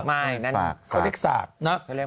ไม่เขาเรียกว่าสาก